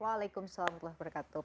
waalaikumsalam warahmatullahi wabarakatuh